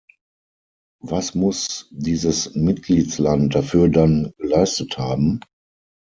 Was muss dieses Mitgliedsland dafür dann geleistet haben?